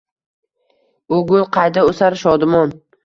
U gul qayda oʻsar shodumon